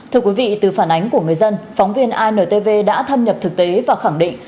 thưa quý vị từ phản ánh của người dân phóng viên intv đã thâm nhập thực tế và khẳng định